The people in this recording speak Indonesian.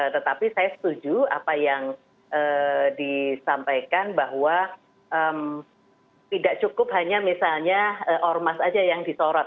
tetapi saya setuju apa yang disampaikan bahwa tidak cukup hanya misalnya ormas saja yang disorot